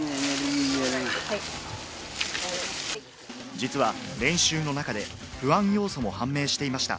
実は練習の中で不安要素も判明していました。